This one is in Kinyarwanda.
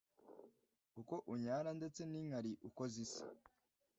uko unyara ndetse n' inkari uko zisa